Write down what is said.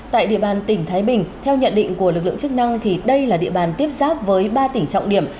tại địa bàn tỉnh thái bình theo nhận định của lực lượng chức năng thì đây là địa bàn tiếp giáp với ba tỉnh trọng điểm